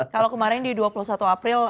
kalau kemarin di dua puluh satu april